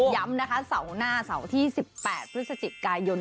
ย้ำนะคะเวลาเฆี่ยว๒๘พฤศจิกายน